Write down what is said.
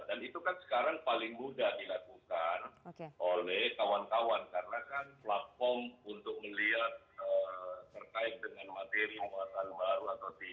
dan itu kan sekarang paling mudah dilakukan oleh kawan kawan karena kan platform untuk melihat terkait dengan materi